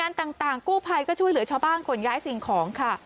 บริเวณงานต่างกู้ไภก็ช่วยเหลือชาวบ้านขนย้ายสิ่งของค่ะ